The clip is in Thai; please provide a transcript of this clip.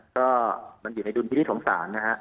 ก็มันอยู่ในดุลพิวิตของสารนะฮะ